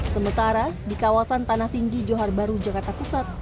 sementara di kawasan tanah tinggi johar baru jakarta pusat